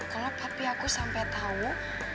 kalau papi aku sampe tau